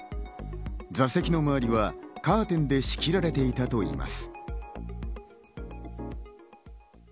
座席の周りはカーテンで仕切られていたといいます。